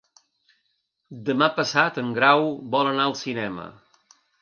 Demà passat en Grau vol anar al cinema.